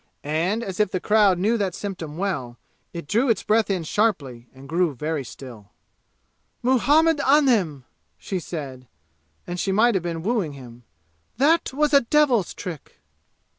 And as if the crowd knew that symptom well, it drew its breath in sharply and grew very still. "Muhammad Anim!" she said, and she might have been wooing him. "That was a devil's trick!"